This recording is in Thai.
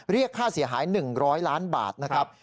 เรียกค่าเสียหาย๑๐๐ล้านบาทนะครับ